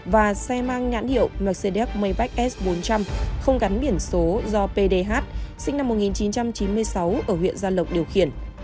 và xe mang nhãn hiệu mercedes may s bốn trăm linh không gắn biển số do pdh sinh năm một nghìn chín trăm chín mươi sáu ở huyện gia lộc điều khiển